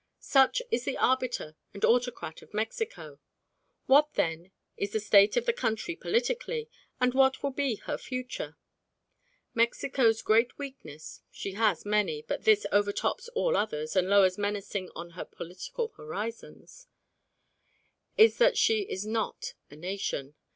Such is the arbiter and autocrat of Mexico. What, then, is the state of the country politically, and what will be her future? Mexico's great weakness (she has many, but this overtops all others, and lowers menacing on her political horizon) is that she is not a nation.